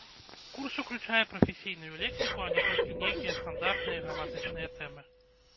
Курс уключае прафесійную лексіку, а не толькі нейкія стандартныя граматычныя тэмы.